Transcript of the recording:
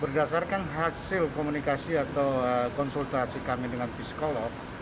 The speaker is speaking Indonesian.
berdasarkan hasil komunikasi atau konsultasi kami dengan psikolog